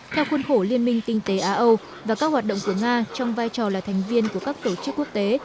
theo khuôn khổ liên minh kinh tế á âu và các hoạt động của nga trong vai trò là thành viên của các tổ chức quốc tế